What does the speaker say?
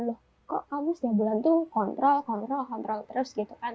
loh kok kamu setiap bulan tuh kontrol kontrol kontrol terus gitu kan